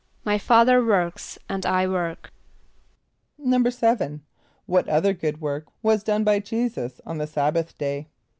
="My Father works and I work."= =7.= What other good work was done by J[=e]´[s+]us on the sabbath day?